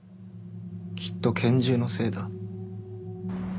きっと拳銃のせいだ。